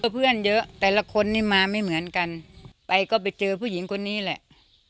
เพื่อนเยอะแต่ละคนนี่มาไม่เหมือนกันไปก็ไปเจอผู้หญิงคนนี้แหละ